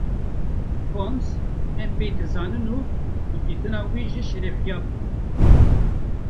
Holmes: Em pê dizanin û bi dîtina wî jî şerefyab bûn.